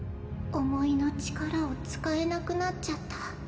思いの力を使えなくなっちゃった。